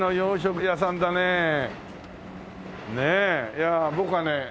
いや僕はね